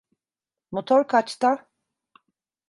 Motor kaçta?